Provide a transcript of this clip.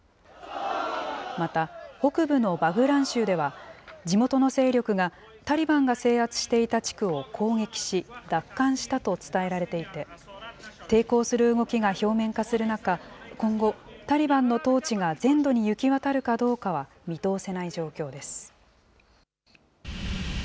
また、北部のバグラン州では、地元の勢力が、タリバンが制圧していた地区を攻撃し、奪還したと伝えられていて、抵抗する動きが表面化する中、今後、タリバンの統治が全土に行き渡るかどうかは見通せない状況です。